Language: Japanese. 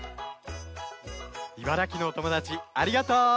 茨城のおともだちありがとう！